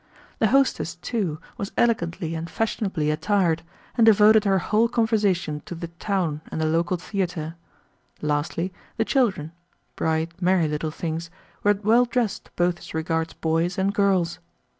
The hostess, too, was elegantly and fashionably attired, and devoted her whole conversation to the town and the local theatre. Lastly, the children bright, merry little things were well dressed both as regards boys and girls.